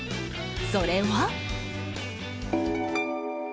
それは。